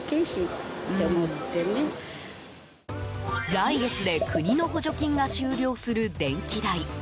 来月で国の補助金が終了する電気代。